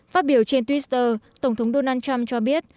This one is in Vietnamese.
phát biểu trên twitter tổng thống donald trump cho biết